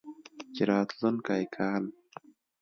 چې راتلونکی کال